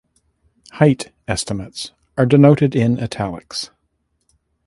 Height estimates are denoted in "italics".